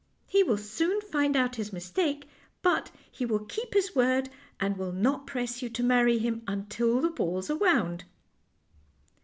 He will soon find out his mistake, but he will keep his word, and will not press you to marry him until the balls are wound."